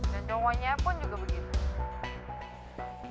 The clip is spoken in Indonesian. dan cowoknya pun juga begitu